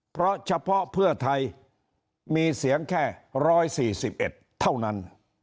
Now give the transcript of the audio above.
เพราะเฉพาะเพื่อไทยมีเสียงแค่ร้อยสี่สิบเอ็ดเท่านั้น